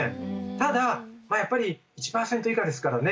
ただやっぱり１％以下ですからね